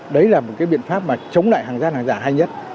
đấy là một cái biện pháp mà chống lại hàng gian hàng giả hay nhất